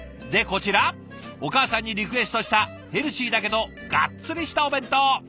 でこちらお母さんにリクエストしたヘルシーだけどがっつりしたお弁当。